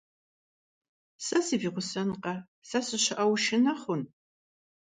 Сэ сывигъусэнкъэ, сэ сыщыӀэу ушынэ хъун?